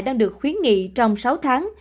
đang được khuyến nghị trong sáu tháng